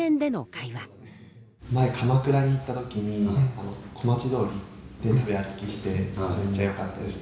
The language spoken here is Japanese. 前鎌倉に行った時に小町通りで食べ歩きしてめっちゃよかったです。